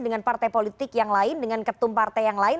dengan partai politik yang lain dengan ketum partai yang lain